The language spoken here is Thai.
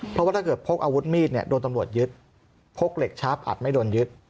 เพราะว่าถ้าเกิดพกอาวุธมีดเนี่ยโดนตำรวจยึดพกเหล็กชาร์ฟอัดไม่โดนยึด